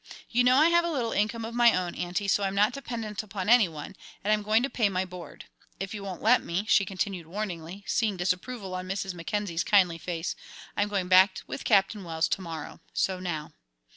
You know I have a little income of my own, Aunty, so I'm not dependent upon any one, and I'm going to pay my board. If you won't let me," she continued, warningly, seeing disapproval on Mrs. Mackenzie's kindly face, "I'm going back with Captain Wells to morrow, so now!"